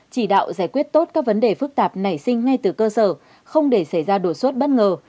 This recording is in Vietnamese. chỉ đạo giải quyết tốt các vấn đề phức tạp nảy sinh ngay từ cơ sở không để xảy ra đột xuất bất ngờ